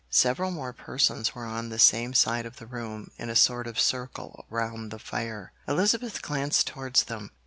Several more persons were on the same side of the room, in a sort of circle round the fire. Elizabeth glanced towards them.